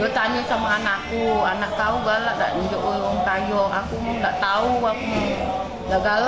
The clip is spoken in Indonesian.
dia tanya sama anakku anak kau galak gak ngejok uang tayo